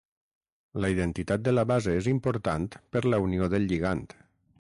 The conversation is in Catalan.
La identitat de la base és important per la unió del lligand.